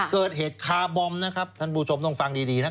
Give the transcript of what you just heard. เกิดเหตุคาร์บอมนะครับท่านผู้ชมต้องฟังดีนะ